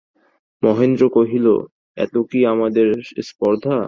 মহেন্দ্র কহিল, এত কি আমাদের স্পর্ধা।